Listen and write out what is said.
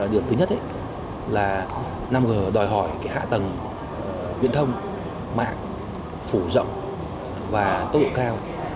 điểm thứ nhất là năm g đòi hỏi hạ tầng viễn thông mạng phủ rộng và tốc độ cao